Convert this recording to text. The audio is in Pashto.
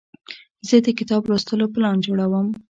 زه د کتاب لوستلو پلان جوړوم.